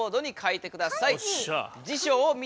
おっしゃ。